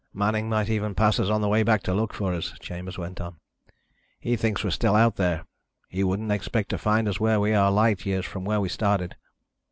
"Manning might even pass us on the way back to look for us," Chambers went on. "He thinks we're still out there. He wouldn't expect to find us where we are, light years from where we started."